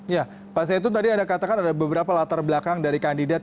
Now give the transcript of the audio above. ya pak zaitun tadi anda katakan ada beberapa latar belakang dari kandidat